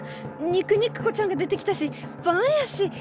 肉肉子ちゃんが出てきたしバンやし何？